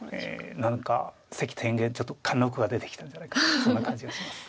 何か関天元ちょっと貫禄が出てきたんじゃないかとそんな感じがします。